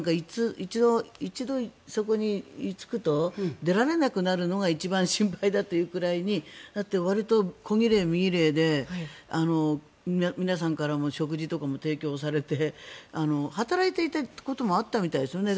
一度そこに居つくと出られなくなるのが一番心配だというくらいにわりと小奇麗、身奇麗で皆さんからも食事とかも提供されて働いていたこともあったみたいですよね。